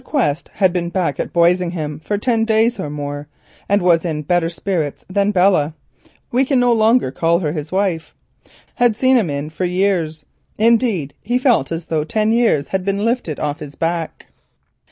Quest had been back at Boisingham for ten days or more, and was more cheerful than Belle (we can no longer call her his wife) had seen him for many a day. Indeed he felt as though ten years had been lifted off his back.